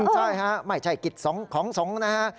ใช่ฮะไม่ใช่กิจของสงฆ์นะฮะ